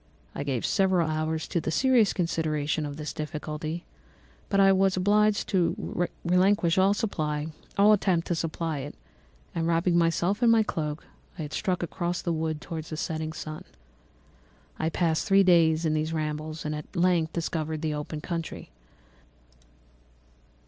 I gave several hours to the serious consideration of this difficulty, but I was obliged to relinquish all attempt to supply it, and wrapping myself up in my cloak, I struck across the wood towards the setting sun. I passed three days in these rambles and at length discovered the open country.